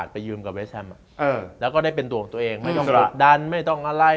ไม่ต้องประดับดันไม่ต้องอะไร